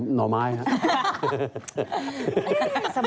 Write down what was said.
มีต่อหน่อไม้ครับ